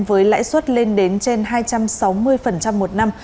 với lãi suất lên đến trên hai trăm sáu mươi một năm